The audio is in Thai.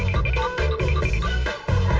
สวัสดีค่ะ